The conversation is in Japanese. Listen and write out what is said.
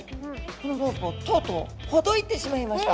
このロープをとうとうほどいてしまいました。